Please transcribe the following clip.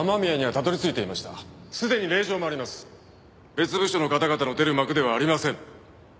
別部署の方々の出る幕ではありません。